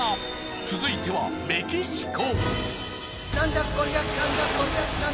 続いてはメキシコ。